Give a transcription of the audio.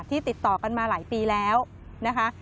ติดต่อกันมาหลายปีแล้วนะคะ